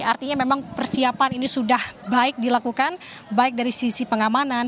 artinya memang persiapan ini sudah baik dilakukan baik dari sisi pengamanan